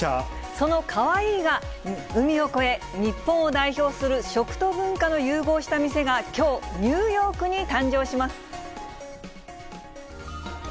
そのカワイイが海を越え、日本を代表する食と文化の融合した店がきょう、ニューヨークに誕生します。